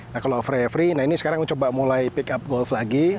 nah kalau free free nah ini sekarang coba mulai pick up golf lagi